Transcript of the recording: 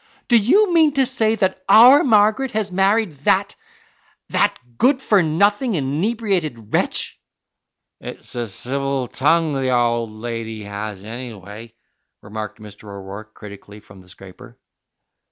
Do you mean to say that OUR Margaret has married that that good for nothing, inebriated wretch?" "It's a civil tongue the owld lady has, anyway," remarked Mr. O'Rourke critically, from the scraper.